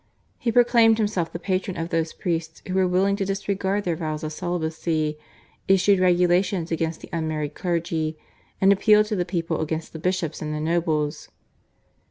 He proclaimed himself the patron of those priests who were willing to disregard their vows of celibacy, issued regulations against the unmarried clergy, and appealed to the people against the bishops and the nobles.